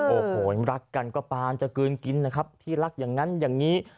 โอ้โหรักกันก็ปานจะกลืนกินนะครับที่รักอย่างนั้นอย่างนี้